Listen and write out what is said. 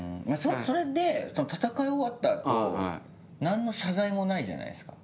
それで戦い終わった後何の謝罪もないじゃないですか。